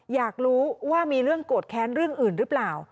อยากรู้ว่ามีเรื่องโกรธแค้นเรื่องอื่นหรือเปล่า